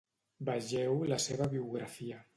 Vegeu la seva biografia.